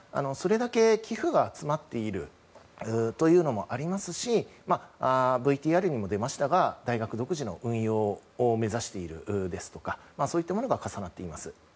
寄付が集まっているというのもありますしＶＴＲにも出ましたが大学独自の運用を目指しているですとかそういったものが重なっています。